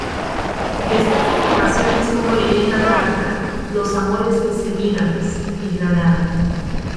Destacan narraciones como "Leyenda tártara", "los amores de Semíramis" y "Granada".